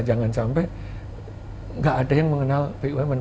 jangan sampai nggak ada yang mengenal bumn